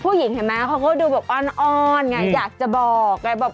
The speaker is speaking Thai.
ผู้หญิงเขาดูอ้อนอยากจะบอก